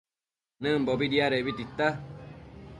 Nëmbobi diadebi tita